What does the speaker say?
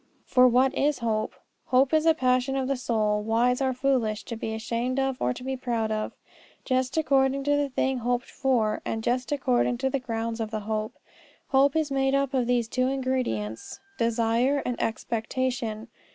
For, what is hope? Hope is a passion of the soul, wise or foolish, to be ashamed of or to be proud of, just according to the thing hoped for, and just according to the grounds of the hope. Hope is made up of these two ingredients desire and expectation.